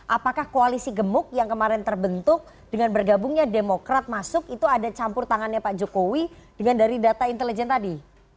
apakah koalisi gemuk yang kemarin terbentuk dengan bergabungnya demokrat masuk itu ada campur tangannya pak jokowi dengan dari data intelijen tadi